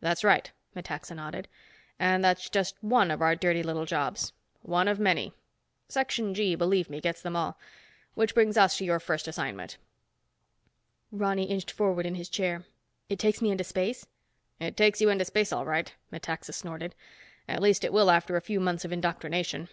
"That's right," Metaxa nodded. "And that's just one of our dirty little jobs. One of many. Section G, believe me, gets them all. Which brings us to your first assignment." Ronny inched forward in his chair. "It takes me into space?" "It takes you into space all right," Metaxa snorted. "At least it will after a few months of indoctrination.